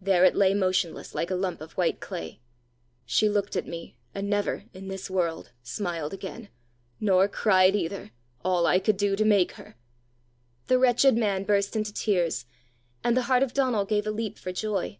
There it lay motionless, like a lump of white clay. She looked at me and never in this world smiled again! nor cried either all I could do to make her!" The wretched man burst into tears, and the heart of Donal gave a leap for joy.